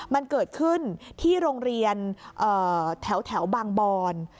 มันเกิดขึ้นที่โรงเรียนแถวบางบอน